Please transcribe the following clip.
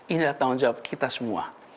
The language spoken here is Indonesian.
ini adalah tanggung jawab kita semua